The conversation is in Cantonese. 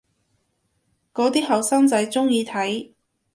嗰啲後生仔鍾意睇